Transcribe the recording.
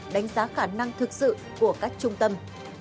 đánh giá khả năng thực sự của các trung tâm